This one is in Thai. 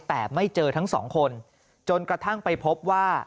แต่ไม่เจอทั้งสองคนจนกระทั่งไปพบว่า